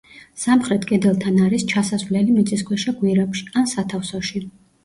სამხრეთ კედელთან არის ჩასასვლელი მიწისქვეშა გვირაბში, ან სათავსოში.